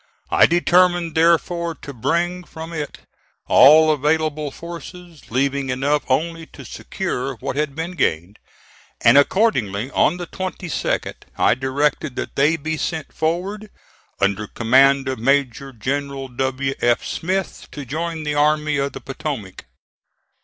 I determined, therefore, to bring from it all available forces, leaving enough only to secure what had been gained; and accordingly, on the 22d, I directed that they be sent forward, under command of Major General W. F. Smith, to join the Army of the Potomac.